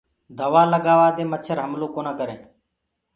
دوآ لگآوآ دي مڇر هملو ڪونآ ڪرينٚ۔